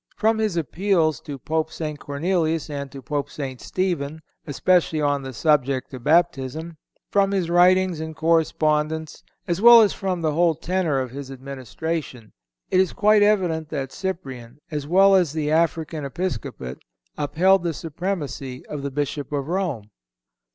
From his appeals to Pope St. Cornelius and to Pope St. Stephen, especially on the subject of baptism, from his writings and correspondence, as well as from the whole tenor of his administration, it is quite evident that Cyprian, as well as the African Episcopate, upheld the supremacy of the Bishop of Rome.